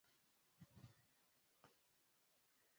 aliyeathirika tayari Matumizi ya madawa ya kulevya huathiri utashi